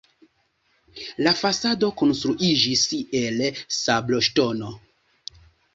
La fasado konstruiĝis el sabloŝtono.